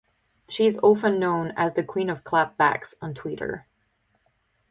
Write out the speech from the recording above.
She is often known as the "Queen of Clap Backs" on Twitter.